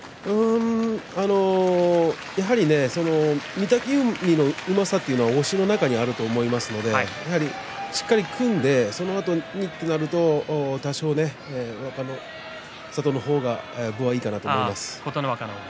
やはり御嶽海の重さというのは押しの中にあると思いますのでしっかりと組んでそのあとにとなると多少琴ノ若の方が分がいいと思います。